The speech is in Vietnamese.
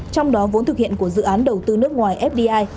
trong đó vốn thực hiện của dự án đầu tư nước ngoài fdi